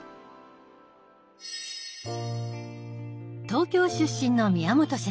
東京出身の宮本先生。